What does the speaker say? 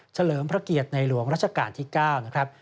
เลิมพระเกียรติในหลวงรัชกาลที่๙นะครับ